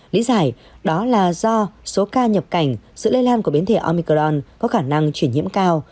lý giải đó là do số ca nhập cảnh sự lây lan của biến thể omicron có khả năng chuyển nhiễm cao